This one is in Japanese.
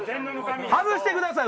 外してください